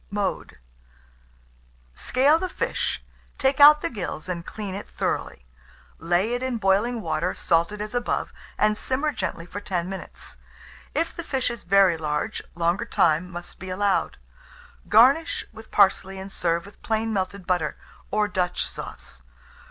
Mode. Scale the fish, take out the gills and clean it thoroughly; lay it in boiling water, salted as above, and simmer gently for 10 minutes. If the fish is very large, longer time must be allowed. Garnish with parsley, and serve with plain melted butter, or Dutch sauce.